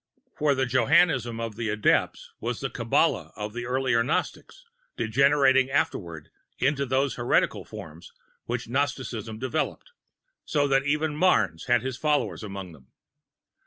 For the Johannism of the Adepts was the Kabalah of the earlier Gnostics, degenerating afterward into those heretical forms which Gnosticism developed, so that even Manes had his followers among them.